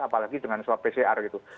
apalagi dengan swab pcr gitu